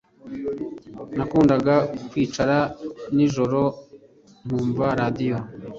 Nakundaga kwicara nijoro nkumva radio.